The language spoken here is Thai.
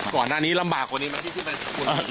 ก่อนหน้านี้ลำบากกว่านี้ไหมที่ขึ้นไป